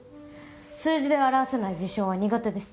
数字で表せない事象は苦手です。